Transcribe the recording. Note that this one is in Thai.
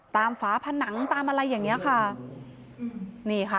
ฝาผนังตามอะไรอย่างเงี้ยค่ะอืมนี่ค่ะ